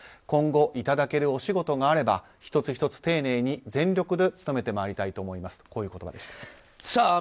今後、いただけるお仕事があれば１つ１つ丁寧に全力で務めてまいりたいと思いますという言葉でした。